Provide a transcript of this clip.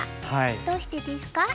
どうしてですか？